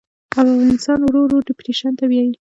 او انسان ورو ورو ډپرېشن ته بيائي